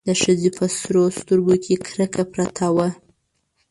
د ښځې په سرو سترګو کې کرکه پرته وه.